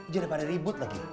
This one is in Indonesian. jadi pada ribut lagi